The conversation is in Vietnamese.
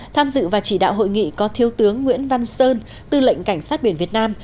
tham dự và chỉ đạo hội nghị có thiếu tướng nguyễn văn sơn tư lệnh cảnh sát biển việt nam